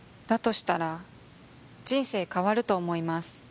したら人生変わると思います